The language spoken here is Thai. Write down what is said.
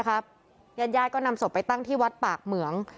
ญาติญาติก็นำศพไปตั้งที่วัดปากเหมือง